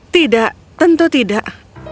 tidak tentu tidak